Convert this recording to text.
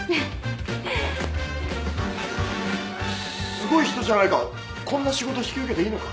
すごい人じゃないかこんな仕事引き受けていいのか？